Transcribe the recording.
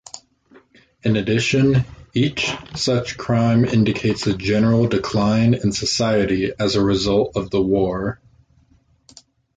In addition, each such crime indicates a general decline in society as a result of the war.